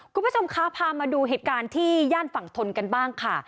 คุณผู้ชมคะพามาดูเหตุการณ์ที่ย่านฝั่งทนกันบ้างค่ะ